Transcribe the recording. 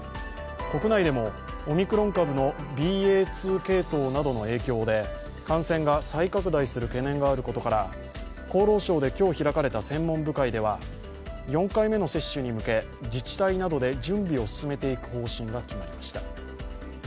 国内でもオミクロン株のＢＡ．２系統などの影響で感染が再拡大する懸念があることから、厚労省で今日、開かれた専門部会では４回目の接種に向け自治体などで準備を進めていく方針が決まりました。